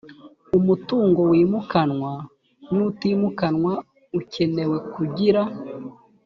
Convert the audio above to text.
umutungo wimukanwa n utimukanwa ukenewe kugira